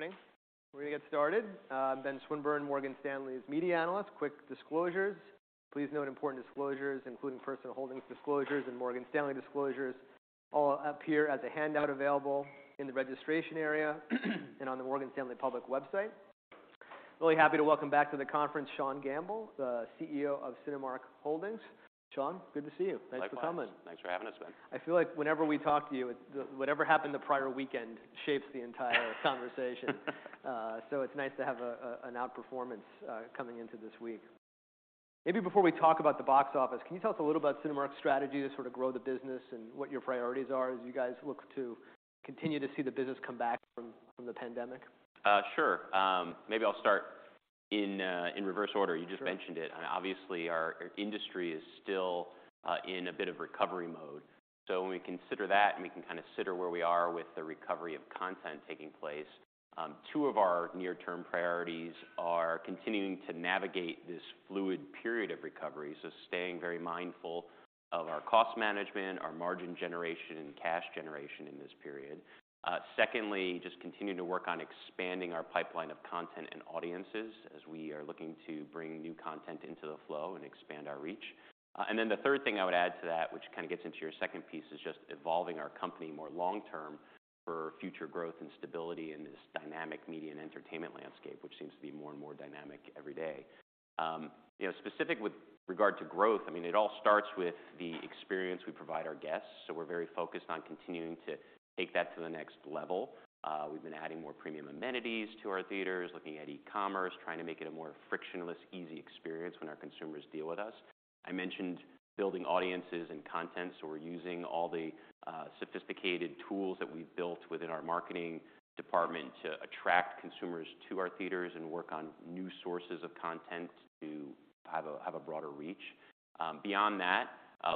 Morning. We're going to get started. Ben Swinburne, Morgan Stanley's Media Analyst. Quick disclosures: please note important disclosures, including personal holdings disclosures and Morgan Stanley disclosures, all appear as a handout available in the registration area and on the Morgan Stanley public website. Really happy to welcome back to the conference Sean Gamble, the CEO of Cinemark Holdings. Sean, good to see you. Thanks for coming. Thanks for having us, Ben. I feel like whenever we talk to you, whatever happened the prior weekend shapes the entire conversation. It's nice to have an outperformance coming into this week. Maybe before we talk about the box office, can you tell us a little about Cinemark's strategy to sort of grow the business and what your priorities are as you guys look to continue to see the business come back from the pandemic? Sure. Maybe I'll start in reverse order. You just mentioned it. Obviously, our industry is still in a bit of recovery mode. When we consider that and we can kind of sit where we are with the recovery of content taking place, two of our near-term priorities are continuing to navigate this fluid period of recovery, so staying very mindful of our cost management, our margin generation, and cash generation in this period. Secondly, just continuing to work on expanding our pipeline of content and audiences as we are looking to bring new content into the flow and expand our reach. The third thing I would add to that, which kind of gets into your second piece, is just evolving our company more long-term for future growth and stability in this dynamic media and entertainment landscape, which seems to be more and more dynamic every day. Specific with regard to growth, I mean, it all starts with the experience we provide our guests. We're very focused on continuing to take that to the next level. We've been adding more premium amenities to our theaters, looking at e-commerce, trying to make it a more frictionless, easy experience when our consumers deal with us. I mentioned building audiences and content. We're using all the sophisticated tools that we've built within our marketing department to attract consumers to our theaters and work on new sources of content to have a broader reach. Beyond that,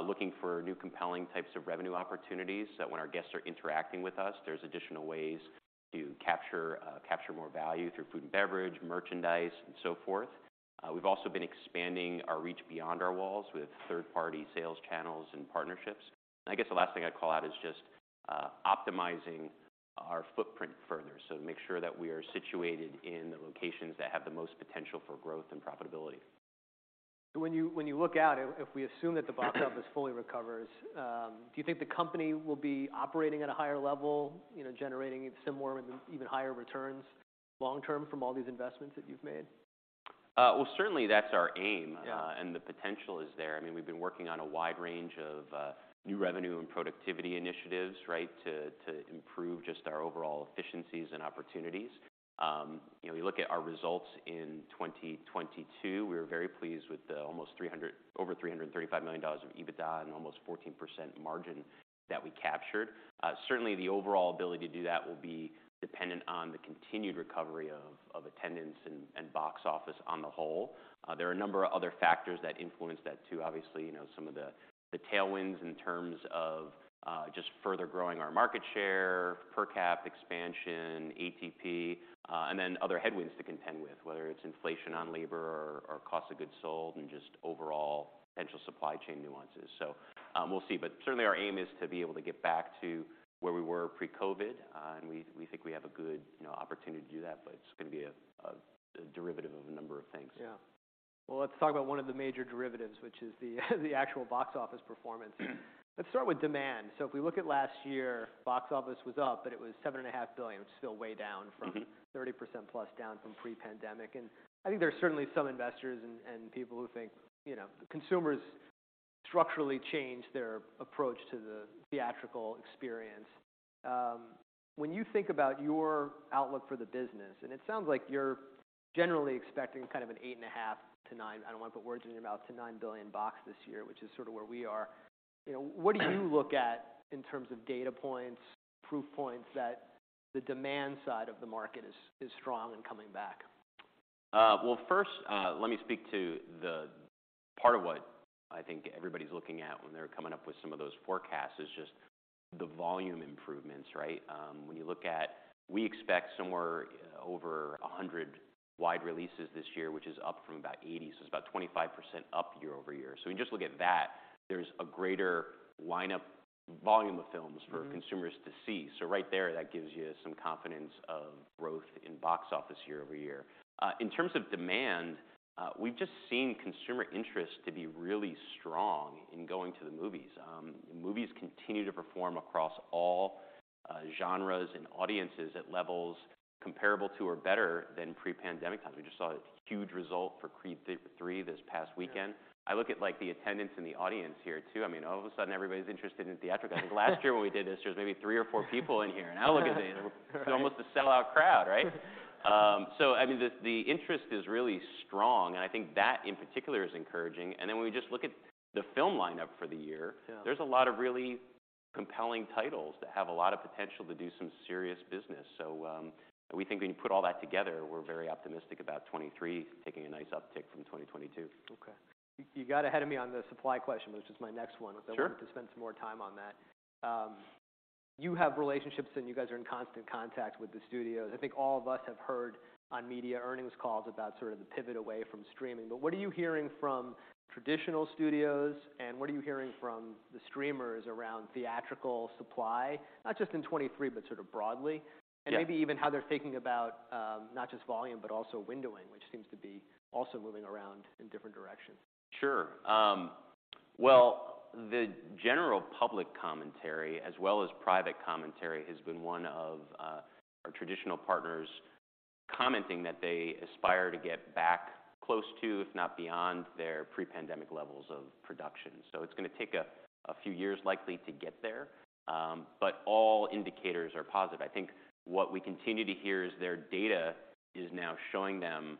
looking for new compelling types of revenue opportunities so that when our guests are interacting with us, there's additional ways to capture more value through food and beverage, merchandise, and so forth. We've also been expanding our reach beyond our walls with third-party sales channels and partnerships. I guess the last thing I'd call out is just optimizing our footprint further, so to make sure that we are situated in the locations that have the most potential for growth and profitability. When you look out, if we assume that the box office fully recovers, do you think the company will be operating at a higher level, generating similar, even higher returns long-term from all these investments that you've made? Well, certainly that's our aim. The potential is there. I mean, we've been working on a wide range of new revenue and productivity initiatives to improve just our overall efficiencies and opportunities. You look at our results in 2022, we were very pleased with almost over $335 million of EBITDA and almost 14% margin that we captured. Certainly, the overall ability to do that will be dependent on the continued recovery of attendance and box office on the whole. There are a number of other factors that influence that, too. Obviously, some of the tailwinds in terms of just further growing our market share, per cap expansion, ATP, and then other headwinds to contend with, whether it's inflation on labor or cost of goods sold and just overall potential supply chain nuances. We'll see. Certainly, our aim is to be able to get back to where we were pre-COVID. We think we have a good opportunity to do that. It's going to be a derivative of a number of things. Yeah. Well, let's talk about one of the major derivatives, which is the actual box office performance. Let's start with demand. If we look at last year, box office was up, but it was $7.5 billion, which is still way down from +30% down from pre-pandemic. I think there are certainly some investors and people who think consumers structurally changed their approach to the theatrical experience. When you think about your outlook for the business, and it sounds like you're generally expecting kind of an $8.5 billion to 9, I don't want to put words in your mouth, to $9 billion box this year, which is sort of where we are. What do you look at in terms of data points, proof points that the demand side of the market is strong and coming back? Well, first, let me speak to the part of what I think everybody's looking at when they're coming up with some of those forecasts is just the volume improvements. When you look at we expect somewhere over 100 wide releases this year, which is up from about 80. It's about 25% up year-over-year. When you just look at that, there's a greater lineup volume of films for consumers to see. Right there, that gives you some confidence of growth in box office year-over-year. In terms of demand, we've just seen consumer interest to be really strong in going to the movies. Movies continue to perform across all genres and audiences at levels comparable to or better than pre-pandemic times. We just saw a huge result for Creed III this past weekend. I look at the attendance and the audience here, too. I mean, all of a sudden, everybody's interested in the theatrics. I think last year when we did this, there was maybe 3 or 4 people in here. Now I look at it's almost a sellout crowd. I mean, the interest is really strong. I think that in particular is encouraging. Then when we just look at the film lineup for the year, there's a lot of really compelling titles that have a lot of potential to do some serious business. We think when you put all that together, we're very optimistic about 2023 taking a nice uptick from 2022. OK. You got ahead of me on the supply question, which is my next one. I thought we'd spend some more time on that. You have relationships, and you guys are in constant contact with the studios. I think all of us have heard on media earnings calls about sort of the pivot away from streaming. What are you hearing from traditional studios? What are you hearing from the streamers around theatrical supply, not just in 2023 but sort of broadly? Maybe even how they're thinking about not just volume but also windowing, which seems to be also moving around in different directions. Sure. Well, the general public commentary, as well as private commentary, has been one of our traditional partners commenting that they aspire to get back close to, if not beyond, their pre-pandemic levels of production. It's going to take a few years likely to get there. All indicators are positive. I think what we continue to hear is their data is now showing them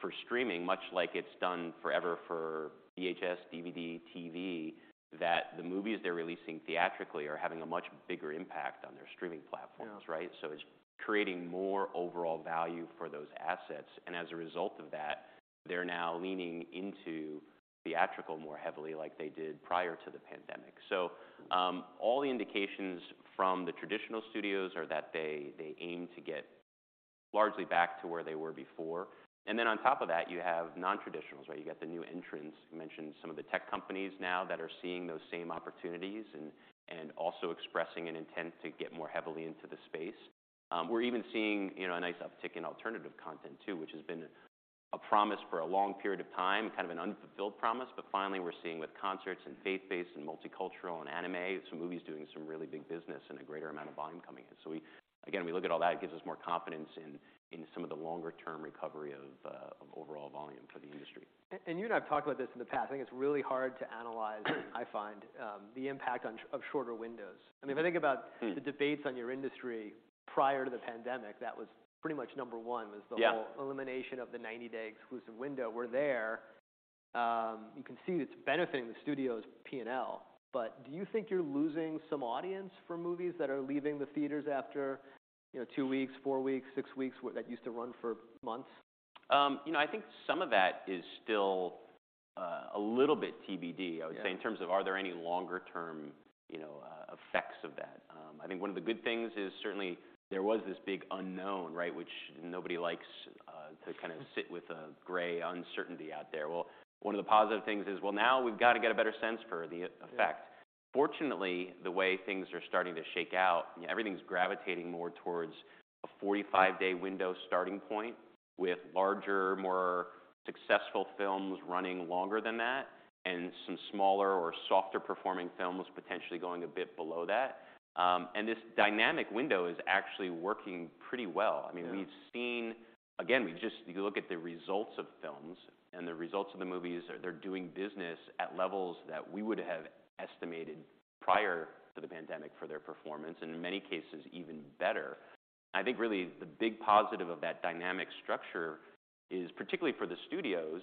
for streaming, much like it's done forever for VHS, DVD, TV, that the movies they're releasing theatrically are having a much bigger impact on their streaming platforms. It's creating more overall value for those assets. As a result of that, they're now leaning into theatrical more heavily like they did prior to the pandemic. All the indications from the traditional studios are that they aim to get largely back to where they were before. On top of that, you have nontraditionals. You got the new entrants. You mentioned some of the tech companies now that are seeing those same opportunities and also expressing an intent to get more heavily into the space. We're even seeing a nice uptick in alternative content, too, which has been a promise for a long period of time, kind of an unfulfilled promise. Finally, we're seeing with concerts and faith-based and multicultural and anime, some movies doing some really big business and a greater amount of volume coming in. Again, we look at all that. It gives us more confidence in some of the longer-term recovery of overall volume for the industry. You and I have talked about this in the past. I think it's really hard to analyze, I find, the impact of shorter windows. I mean, if I think about the debates on your industry prior to the pandemic, that was pretty much number one, was the whole elimination of the 90-day exclusive window. We're there. You can see that it's benefiting the studio's P&L. Do you think you're losing some audience for movies that are leaving the theaters after two weeks, four weeks, six weeks that used to run for months? You know, I think some of that is still a little bit TBD, I would say, in terms of are there any longer-term effects of that. I think one of the good things is certainly there was this big unknown, which nobody likes to kind of sit with a gray uncertainty out there. Well, one of the positive things is, well, now we've got to get a better sense for the effect. Fortunately, the way things are starting to shake out, everything's gravitating more towards a 45-day window starting point with larger, more successful films running longer than that and some smaller or softer performing films potentially going a bit below that. This dynamic window is actually working pretty well. I mean, we've seen again, you look at the results of films and the results of the movies. They're doing business at levels that we would have estimated prior to the pandemic for their performance, and in many cases, even better. I think really the big positive of that dynamic structure is, particularly for the studios,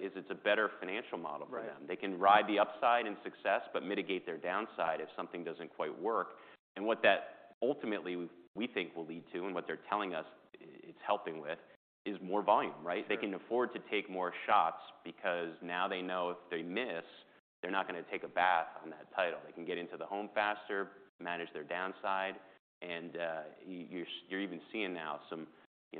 is it's a better financial model for them. They can ride the upside in success but mitigate their downside if something doesn't quite work. What that ultimately we think will lead to and what they're telling us it's helping with is more volume. They can afford to take more shots because now they know if they miss, they're not going to take a bath on that title. They can get into the home faster, manage their downside. You're even seeing now some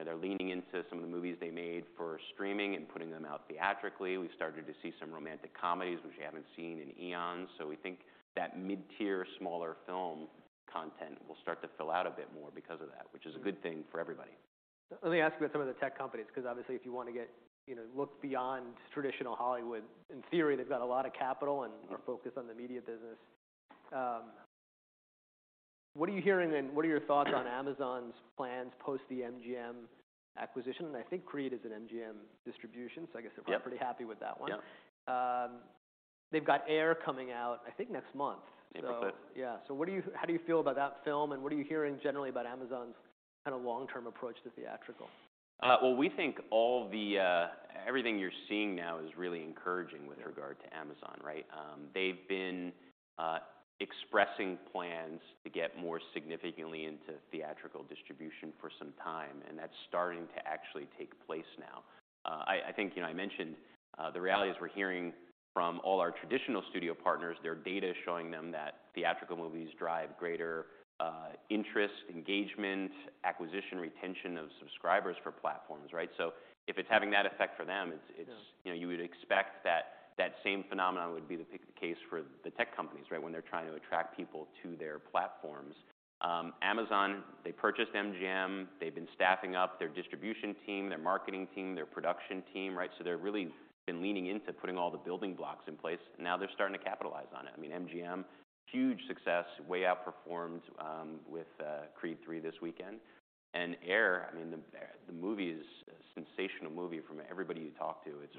they're leaning into some of the movies they made for streaming and putting them out theatrically. We've started to see some romantic comedies, which you haven't seen in eons. We think that mid-tier, smaller film content will start to fill out a bit more because of that, which is a good thing for everybody. Let me ask you about some of the tech companies, because obviously, if you want to get look beyond traditional Hollywood, in theory, they've got a lot of capital and are focused on the media business. What are you hearing, and what are your thoughts on Amazon's plans post the MGM acquisition? I think Creed is an MGM distribution. I guess they're probably pretty happy with that one. They've got Air coming out, I think, next month. April 5th. Yeah. How do you feel about that film? What are you hearing generally about Amazon's kind of long-term approach to theatrical? Well, we think everything you're seeing now is really encouraging with regard to Amazon. They've been expressing plans to get more significantly into theatrical distribution for some time. That's starting to actually take place now. I think I mentioned the reality is we're hearing from all our traditional studio partners, their data showing them that theatrical movies drive greater interest, engagement, acquisition, retention of subscribers for platforms. If it's having that effect for them, you would expect that same phenomenon would be the case for the tech companies when they're trying to attract people to their platforms. Amazon, they purchased MGM. They've been staffing up their distribution team, their marketing team, their production team. They've really been leaning into putting all the building blocks in place. Now they're starting to capitalize on it. I mean, MGM, huge success, way outperformed with Creed III this weekend. Air, I mean, the movie is a sensational movie from everybody you talk to. It's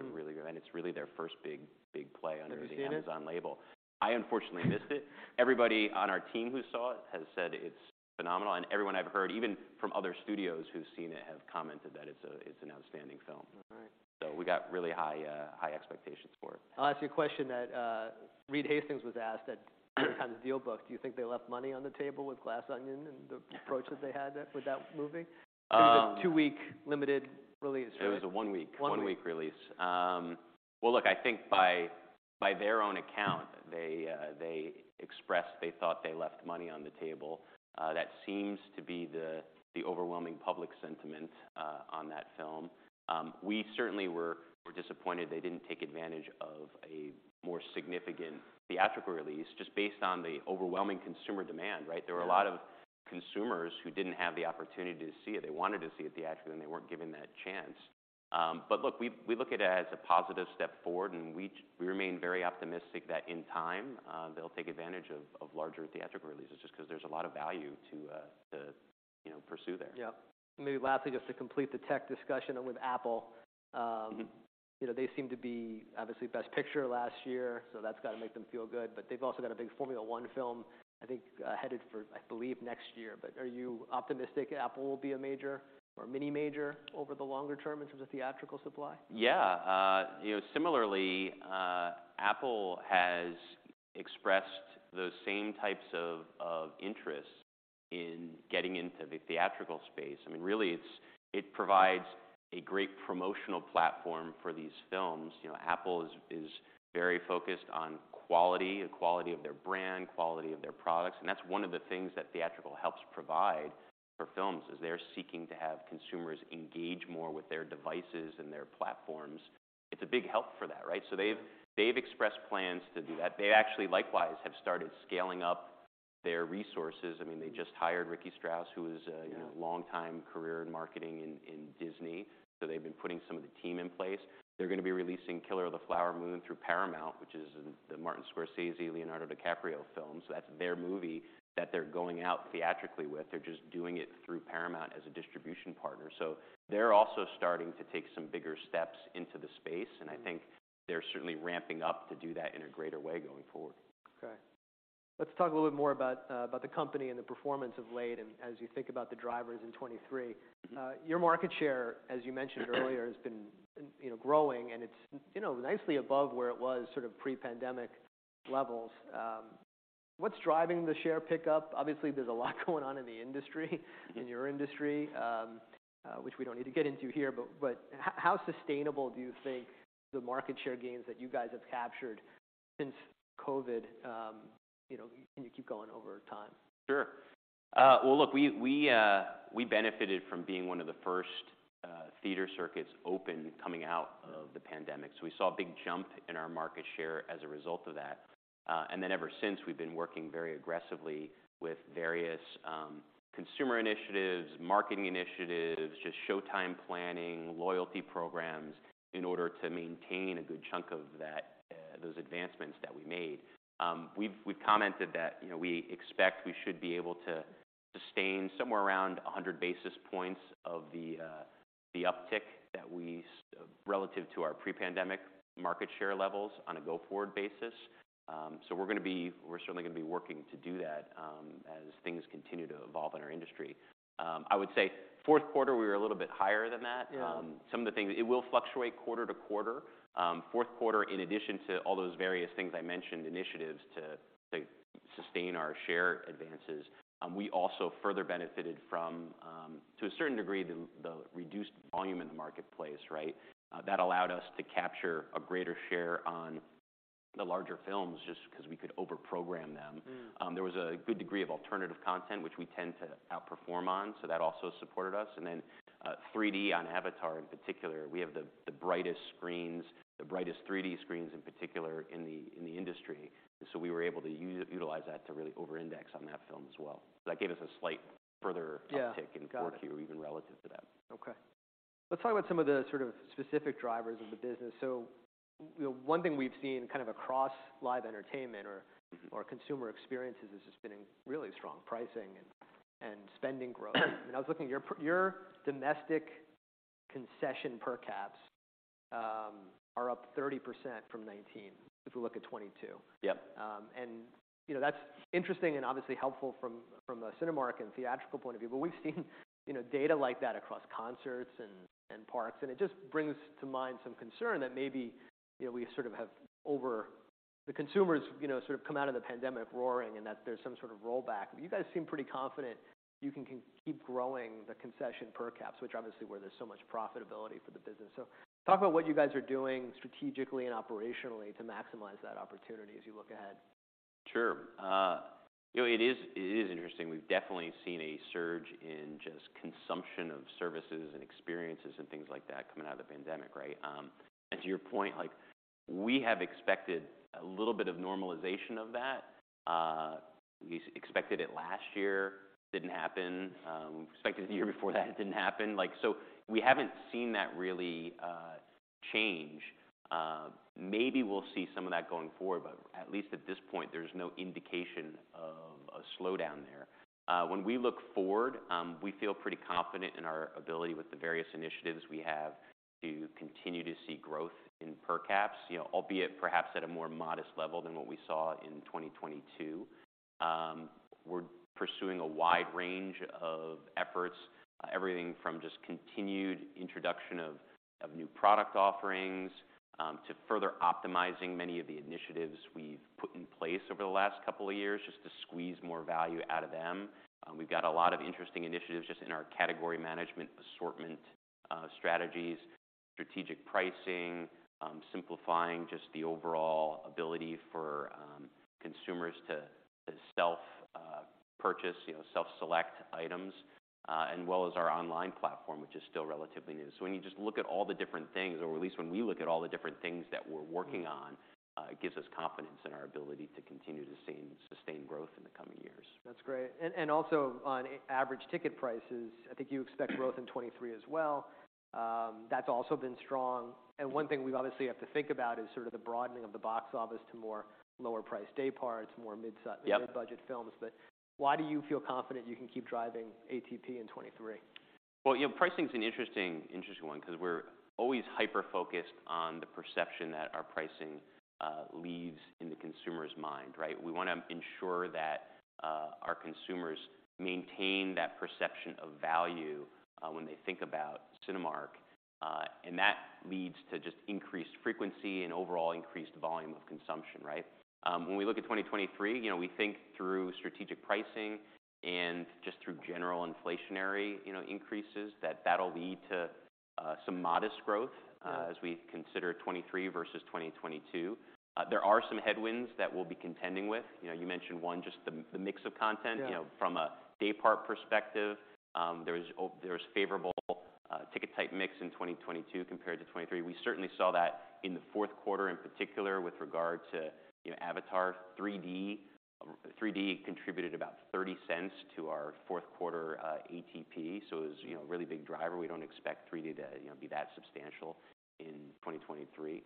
really their first big play under the Amazon label. They've seen it. I unfortunately missed it. Everybody on our team who saw it has said it's phenomenal. Everyone I've heard, even from other studios who've seen it, have commented that it's an outstanding film. We got really high expectations for it. I'll ask you a question that Reed Hastings was asked at DealBook. Do you think they left money on the table with Glass Onion and the approach that they had with that movie? It seems like a 2-week, limited release. It was a one-week release. Well, look, I think by their own account, they expressed they thought they left money on the table. That seems to be the overwhelming public sentiment on that film. We certainly were disappointed they didn't take advantage of a more significant theatrical release just based on the overwhelming consumer demand. There were a lot of consumers who didn't have the opportunity to see it. They wanted to see it theatrically, and they weren't given that chance. Look, we look at it as a positive step forward. We remain very optimistic that in time, they'll take advantage of larger theatrical releases just because there's a lot of value to pursue there. Yeah. Maybe lastly, just to complete the tech discussion with Apple, they seem to be obviously best picture last year. That's got to make them feel good. They've also got a big Formula One film, I think, headed for, I believe, next year. Are you optimistic Apple will be a major or a mini-major over the longer term in terms of theatrical supply? Yeah. Similarly, Apple has expressed those same types of interests in getting into the theatrical space. I mean, really, it provides a great promotional platform for these films. Apple is very focused on quality, the quality of their brand, quality of their products. That's one of the things that theatrical helps provide for films, is they're seeking to have consumers engage more with their devices and their platforms. It's a big help for that. They've expressed plans to do that. They actually likewise have started scaling up their resources. I mean, they just hired Ricky Strauss, who is a longtime career in marketing in Disney. They've been putting some of the team in place. They're going to be releasing Killers of the Flower Moon through Paramount, which is the Martin Scorsese or Leonardo DiCaprio film. That's their movie that they're going out theatrically with. They're just doing it through Paramount as a distribution partner. They're also starting to take some bigger steps into the space. I think they're certainly ramping up to do that in a greater way going forward. OK. Let's talk a little bit more about the company and the performance of LatAm and as you think about the drivers in 2023. Your market share, as you mentioned earlier, has been growing. It's nicely above where it was sort of pre-pandemic levels. What's driving the share pickup? Obviously, there's a lot going on in the industry, in your industry, which we don't need to get into here. How sustainable do you think the market share gains that you guys have captured since COVID can you keep going over time? Sure. Well, look, we benefited from being one of the first theater circuits open coming out of the pandemic. We saw a big jump in our market share as a result of that. Ever since, we've been working very aggressively with various consumer initiatives, marketing initiatives, just showtime planning, loyalty programs in order to maintain a good chunk of those advancements that we made. We've commented that we expect we should be able to sustain somewhere around 100 basis points of the uptick relative to our pre-pandemic market share levels on a go-forward basis. We're certainly going to be working to do that as things continue to evolve in our industry. I would say fourth quarter, we were a little bit higher than that. Some of the things it will fluctuate quarter-to-quarter. Fourth quarter, in addition to all those various things I mentioned, initiatives to sustain our share advances, we also further benefited from, to a certain degree, the reduced volume in the marketplace. That allowed us to capture a greater share on the larger films just because we could overprogram them. There was a good degree of alternative content, which we tend to outperform on. That also supported us. 3D on Avatar, in particular, we have the brightest screens, the brightest 3D screens in particular in the industry. We were able to utilize that to really over-index on that film as well. That gave us a slight further uptick in core queue even relative to that. OK. Let's talk about some of the sort of specific drivers of the business. One thing we've seen kind of across live entertainment or consumer experiences has just been really strong pricing and spending growth. I was looking at your domestic concession per caps are up 30% from 2019 if we look at 2022. That's interesting and obviously helpful from a Cinemark and theatrical point of view. We've seen data like that across concerts and parks. It just brings to mind some concern that maybe we sort of have over the consumers sort of come out of the pandemic roaring and that there's some sort of rollback. You guys seem pretty confident you can keep growing the concession per caps, which obviously where there's so much profitability for the business. Talk about what you guys are doing strategically and operationally to maximize that opportunity as you look ahead? Sure. It is interesting. We've definitely seen a surge in just consumption of services and experiences and things like that coming out of the pandemic. To your point, we have expected a little bit of normalization of that. We expected it last year. It didn't happen. We expected it the year before that. It didn't happen. We haven't seen that really change. Maybe we'll see some of that going forward. At least at this point, there's no indication of a slowdown there. When we look forward, we feel pretty confident in our ability with the various initiatives we have to continue to see growth in per caps, albeit perhaps at a more modest level than what we saw in 2022. We're pursuing a wide range of efforts, everything from just continued introduction of new product offerings to further optimizing many of the initiatives we've put in place over the last couple of years just to squeeze more value out of them. We've got a lot of interesting initiatives just in our category management assortment strategies, strategic pricing, simplifying just the overall ability for consumers to self-purchase, self-select items, as well as our online platform, which is still relatively new. When you just look at all the different things, or at least when we look at all the different things that we're working on, it gives us confidence in our ability to continue to sustain growth in the coming years. That's great. Also on average ticket prices, I think you expect growth in 2023 as well. That's also been strong. One thing we obviously have to think about is sort of the broadening of the box office to more lower-priced day parts, more mid-budget films. Why do you feel confident you can keep driving ATP in 2023? Well, pricing is an interesting one because we're always hyper-focused on the perception that our pricing leaves in the consumer's mind. We want to ensure that our consumers maintain that perception of value when they think about Cinemark. That leads to just increased frequency and overall increased volume of consumption. When we look at 2023, we think through strategic pricing and just through general inflationary increases that that'll lead to some modest growth as we consider 2023 versus 2022. There are some headwinds that we'll be contending with. You mentioned one, just the mix of content. From a day part perspective, there was a favorable ticket-type mix in 2022 compared to 2023. We certainly saw that in the fourth quarter in particular with regard to Avatar. 3D contributed about $0.30 to our fourth quarter ATP. It was a really big driver. We don't expect 3D to be that substantial in 2023.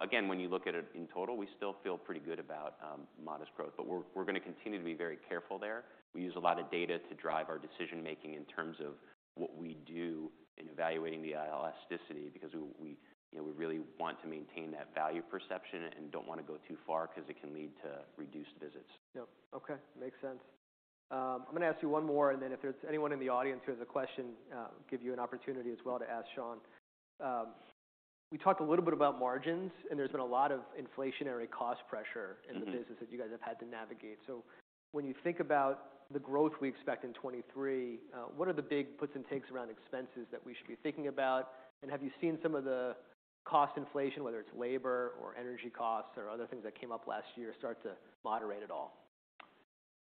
Again, when you look at it in total, we still feel pretty good about modest growth. We're going to continue to be very careful there. We use a lot of data to drive our decision making in terms of what we do in evaluating the elasticity because we really want to maintain that value perception and don't want to go too far because it can lead to reduced visits. Yep. Ok. Makes sense. I'm going to ask you 1 more. Then if there's anyone in the audience who has a question, give you an opportunity as well to ask Sean. We talked a little bit about margins. There's been a lot of inflationary cost pressure in the business that you guys have had to navigate. When you think about the growth we expect in 2023, what are the big puts and takes around expenses that we should be thinking about? Have you seen some of the cost inflation, whether it's labor or energy costs or other things that came up last year, start to moderate at all?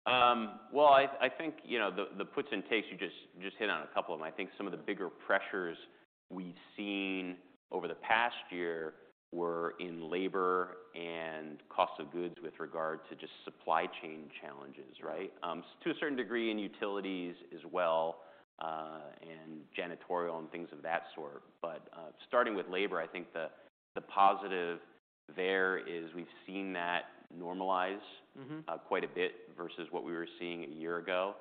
I think the puts and takes, you just hit on a couple of them. I think some of the bigger pressures we've seen over the past year were in labor and cost of goods with regard to just supply chain challenges, to a certain degree in utilities as well and janitorial and things of that sort. Starting with labor, I think the positive there is we've seen that normalize quite a bit versus what we were seeing a year ago.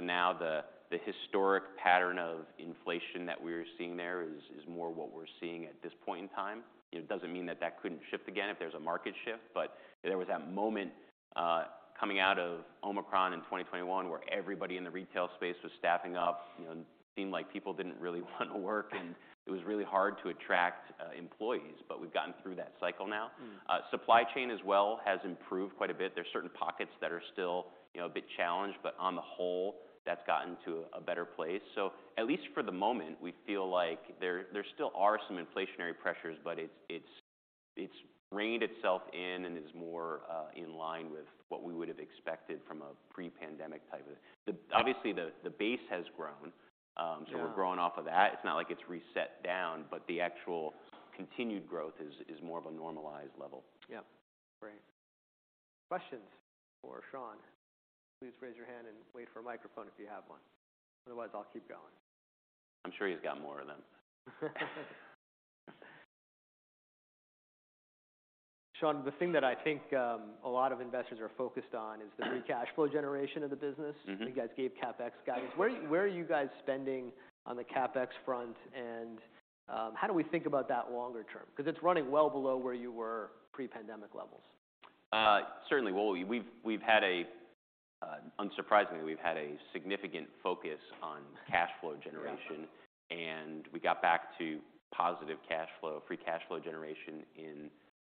Now the historic pattern of inflation that we were seeing there is more what we're seeing at this point in time. It doesn't mean that that couldn't shift again if there's a market shift. There was that moment coming out of Omicron in 2021 where everybody in the retail space was staffing up. It seemed like people didn't really want to work. It was really hard to attract employees. We've gotten through that cycle now. Supply chain as well has improved quite a bit. There's certain pockets that are still a bit challenged. On the whole, that's gotten to a better place. At least for the moment, we feel like there still are some inflationary pressures. It's reined itself in and is more in line with what we would have expected from a pre-pandemic type of obviously, the base has grown. We're growing off of that. It's not like it's reset down. The actual continued growth is more of a normalized level. Yeah. Great. Questions for Sean? Please raise your hand and wait for a microphone if you have one. Otherwise, I'll keep going. I'm sure he's got more of them. Sean, the thing that I think a lot of investors are focused on is the free cash flow generation of the business. You guys gave CapEx guidance. Where are you guys spending on the CapEx front? How do we think about that longer term? It's running well below where you were pre-pandemic levels. Certainly. Well, unsurprisingly, we've had a significant focus on cash flow generation. We got back to positive cash flow, free cash flow generation in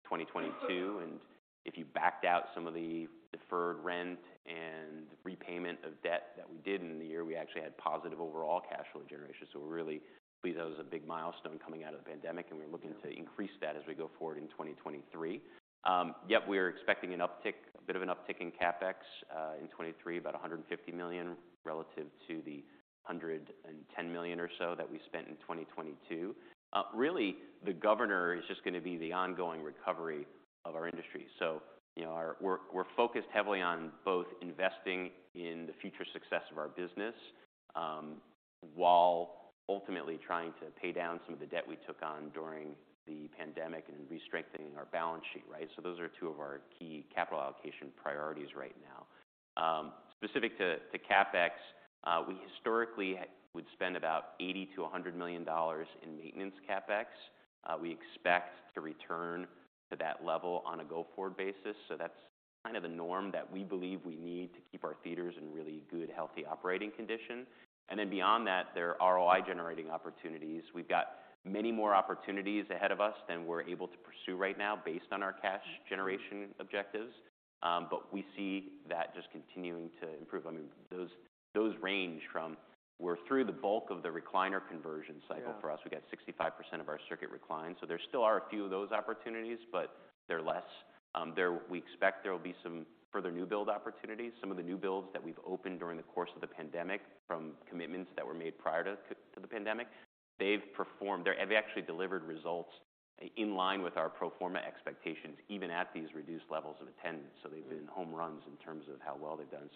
2022. If you backed out some of the deferred rent and repayment of debt that we did in the year, we actually had positive overall cash flow generation. We're really pleased that was a big milestone coming out of the pandemic. We're looking to increase that as we go forward in 2023. Yep, we are expecting a bit of an uptick in CapEx in 2023, about $150 million relative to the $110 million or so that we spent in 2022. Really, the governor is just going to be the ongoing recovery of our industry. We're focused heavily on both investing in the future success of our business while ultimately trying to pay down some of the debt we took on during the pandemic and restrengthening our balance sheet. Those are two of our key capital allocation priorities right now. Specific to CapEx, we historically would spend about $80 million-$100 million in maintenance CapEx. We expect to return to that level on a go-forward basis. That's kind of the norm that we believe we need to keep our theaters in really good, healthy operating condition. Beyond that, there are ROI generating opportunities. We've got many more opportunities ahead of us than we're able to pursue right now based on our cash generation objectives. We see that just continuing to improve. Those range from we're through the bulk of the recliner conversion cycle for us. We got 65% of our circuit reclined. There still are a few of those opportunities. They're less. We expect there will be some further new build opportunities. Some of the new builds that we've opened during the course of the pandemic from commitments that were made prior to the pandemic, they've performed. They've actually delivered results in line with our pro forma expectations even at these reduced levels of attendance. They've been home runs in terms of how well they've done.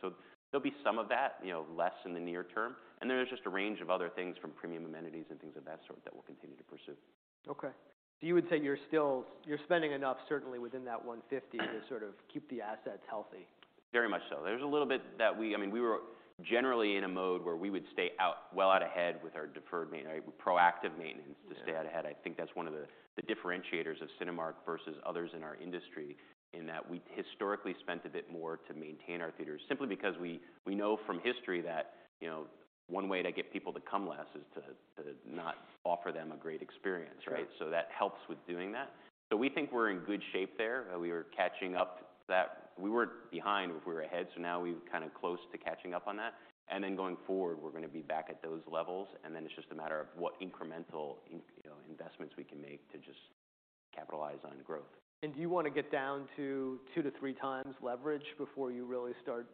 There'll be some of that less in the near term. There's just a range of other things from premium amenities and things of that sort that we'll continue to pursue. Ok. you would say you're spending enough, certainly, within that $150 million to sort of keep the assets healthy. Very much so. There's a little bit that we I mean, we were generally in a mode where we would stay well out ahead with our deferred maintenance, proactive maintenance, to stay out ahead. I think that's one of the differentiators of Cinemark versus others in our industry in that we historically spent a bit more to maintain our theaters simply because we know from history that one way to get people to come less is to not offer them a great experience. That helps with doing that. We think we're in good shape there. We were catching up that we weren't behind. We were ahead. Now we're kind of close to catching up on that. Going forward, we're going to be back at those levels. It's just a matter of what incremental investments we can make to just capitalize on growth. Do you want to get down to 2x-3x leverage before you really start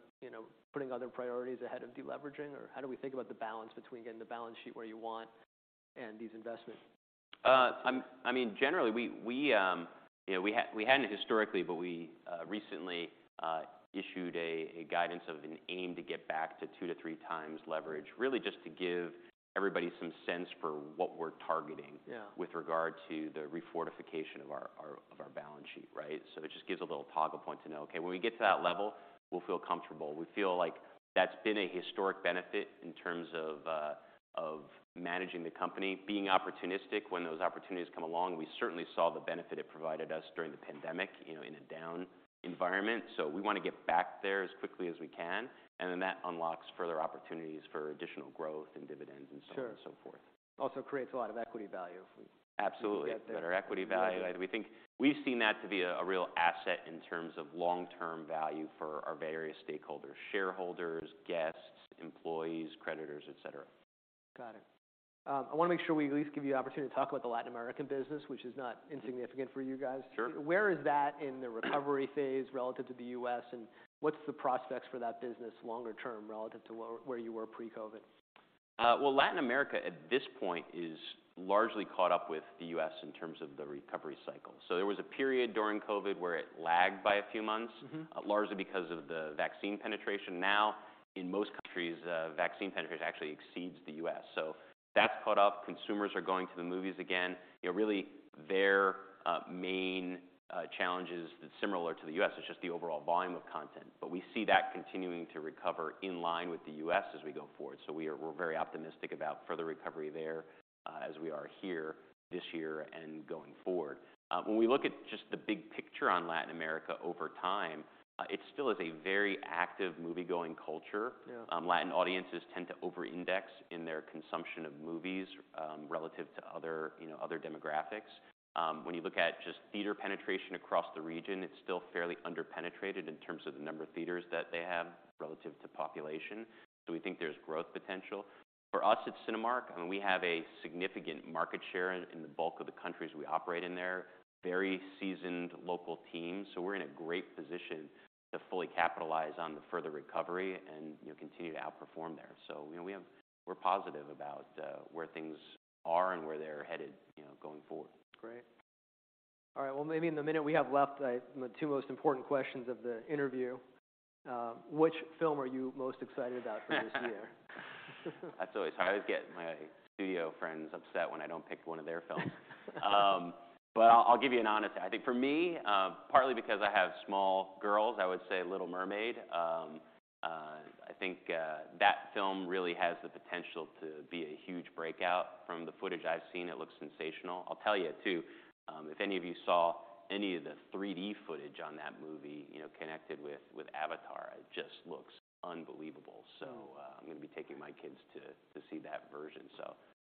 putting other priorities ahead of deleveraging? How do we think about the balance between getting the balance sheet where you want and these investments? I mean, generally, we hadn't historically. We recently issued a guidance of an aim to get back to 2x-3x leverage really just to give everybody some sense for what we're targeting with regard to the refortification of our balance sheet. It just gives a little toggle point to know, ok, when we get to that level, we'll feel comfortable. We feel like that's been a historic benefit in terms of managing the company, being opportunistic when those opportunities come along. We certainly saw the benefit it provided us during the pandemic in a down environment. We want to get back there as quickly as we can. That unlocks further opportunities for additional growth and dividends and so on and so forth. Also creates a lot of equity value if we get there. Absolutely. Better equity value. We've seen that to be a real asset in terms of long-term value for our various stakeholders, shareholders, guests, employees, creditors, et cetera. Got it. I want to make sure we at least give you an opportunity to talk about the Latin American business, which is not insignificant for you guys. Where is that in the recovery phase relative to the U.S.? What's the prospects for that business longer term relative to where you were pre-COVID? Well, Latin America at this point is largely caught up with the U.S. in terms of the recovery cycle. There was a period during COVID where it lagged by a few months largely because of the vaccine penetration. Now, in most countries, vaccine penetration actually exceeds the U.S. That's caught up. Consumers are going to the movies again. Really, their main challenge is similar to the U.S. It's just the overall volume of content. We see that continuing to recover in line with the U.S. as we go forward. We're very optimistic about further recovery there as we are here this year and going forward. When we look at just the big picture on Latin America over time, it still is a very active, movie-going culture. Latin audiences tend to over-index in their consumption of movies relative to other demographics. When you look at just theater penetration across the region, it's still fairly under-penetrated in terms of the number of theaters that they have relative to population. We think there's growth potential. For us at Cinemark, we have a significant market share in the bulk of the countries we operate in there, very seasoned local teams. We're in a great position to fully capitalize on the further recovery and continue to outperform there. We're positive about where things are and where they're headed going forward. Great. All right. Well, maybe in the minute we have left, the two most important questions of the interview, which film are you most excited about for this year? That's always how I always get my studio friends upset when I don't pick one of their films. I'll give you an honest answer. I think for me, partly because I have small girls, I would say Little Mermaid. I think that film really has the potential to be a huge breakout. From the footage I've seen, it looks sensational. I'll tell you, too, if any of you saw any of the 3D footage on that movie connected with Avatar, it just looks unbelievable. I'm going to be taking my kids to see that version.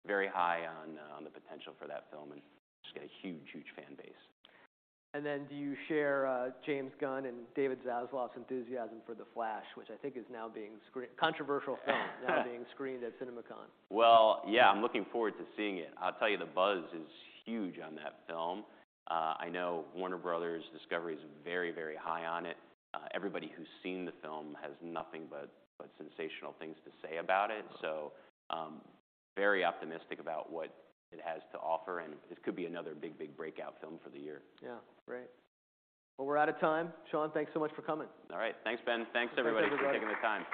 Very high on the potential for that film. It's just got a huge, huge fan base. Do you share James Gunn and David Zaslav's enthusiasm for The Flash, which I think is now being a controversial film, now being screened at CinemaCon? Well, yeah, I'm looking forward to seeing it. I'll tell you, the buzz is huge on that film. I know Warner Bros. Discovery is very, very high on it. Everybody who's seen the film has nothing but sensational things to say about it. Very optimistic about what it has to offer. It could be another big, big breakout film for the year. Yeah. Great. Well, we're out of time. Sean, thanks so much for coming. All right. Thanks, Ben. Thanks, everybody, for taking the time.